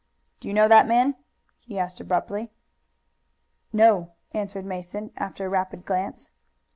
"Do you know that man?" he asked abruptly. "No," answered Mason after a rapid glance.